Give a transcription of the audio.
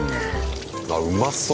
あうまそう。